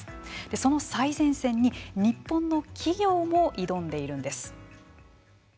その最前線に日本の企業も挑んでいるんです。